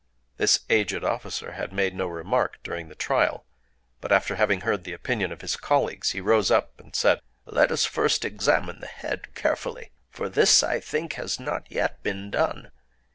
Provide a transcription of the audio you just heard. This aged officer had made no remark during the trial; but, after having heard the opinion of his colleagues, he rose up, and said:— "Let us first examine the head carefully; for this, I think, has not yet been done.